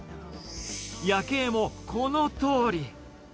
夜景もこのとおり。